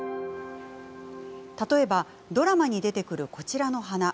例えば、ドラマに出てくるこちらの花。